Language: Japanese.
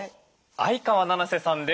相川七瀬さんです。